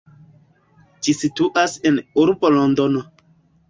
Ĝi situas en urbo Londono.